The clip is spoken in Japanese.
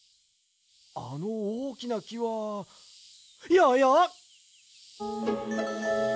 あのおおきなきはややっ！